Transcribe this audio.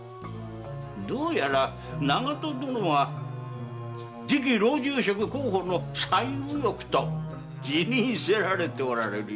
どうやら長門殿は次期老中職候補の最右翼と自認されておられるようじゃな。